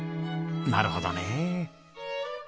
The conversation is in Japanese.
なるほどねえ。